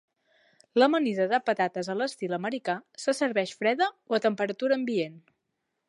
L'amanida de patates a l'estil americà se serveix freda o a temperatura ambient.